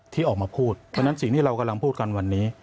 ที่ออกมาพูดเพราะฉะนั้นสิ่งที่เรากำลังพูดกันวันนี้